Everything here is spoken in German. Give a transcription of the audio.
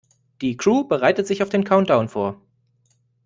Die Crew bereitet sich auf den Countdown vor.